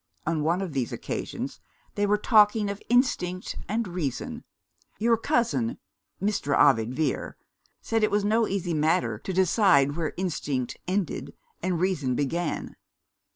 On one of these occasions they were talking of instinct and reason. Your cousin, Mr. Ovid Vere, said it was no easy matter to decide where instinct ended and reason began.